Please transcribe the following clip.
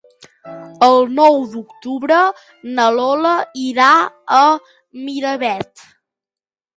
El nou d'octubre na Lola irà a Miravet.